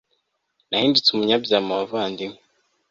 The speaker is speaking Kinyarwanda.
nahindutse umunyamahanga mu bavandimwe